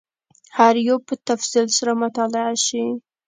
هر یو به په تفصیل سره مطالعه شي.